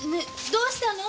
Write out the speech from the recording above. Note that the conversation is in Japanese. どうしたの？